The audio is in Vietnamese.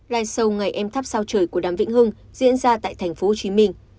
live show ngày em tháp sao trời của đàm vĩnh hưng diễn ra tại tp hcm